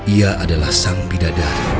ia adalah sang bidadari